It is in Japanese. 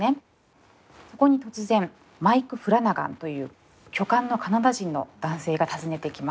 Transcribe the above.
そこに突然マイク・フラナガンという巨漢のカナダ人の男性が訪ねてきます。